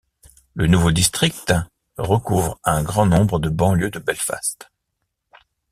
Le nouveau district recouvre un grand nombre de banlieues de Belfast.